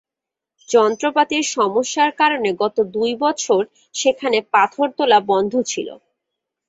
যন্ত্রপাতির সমস্যার কারণে গত দুই বছর সেখানে পাথর তোলা বন্ধ ছিল।